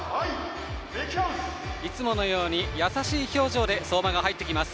いつものように優しい表情で相馬が入ってきます。